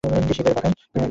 নন্দী শিবের বাহন।